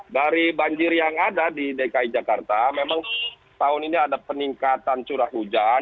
dari banjir yang ada di dki jakarta memang tahun ini ada peningkatan curah hujan